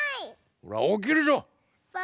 ほらおきるぞう！